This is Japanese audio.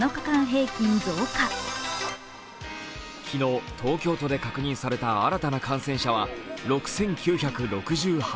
昨日、東京都で確認された新たな感染者数は６９６８人。